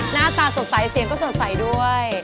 หน้าตาสดใสเสียงก็สดใสด้วย